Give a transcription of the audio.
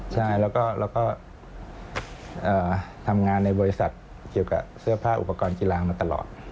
ใช่แล้วก็ทำงานในบริษัทเกี่ยวกับเสื้อผ้าอุปกรณ์กีฬามาตลอด